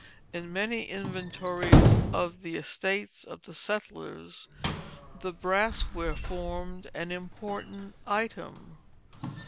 In many inventories of the estates of the settlers the brass ware formed an important item.